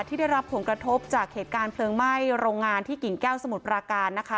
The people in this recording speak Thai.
ที่ได้รับผลกระทบจากเหตุการณ์เพลิงไหม้โรงงานที่กิ่งแก้วสมุทรปราการนะคะ